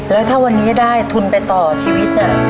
แล้วถ้าวันนี้ได้ทุนไปต่อชีวิตน่ะ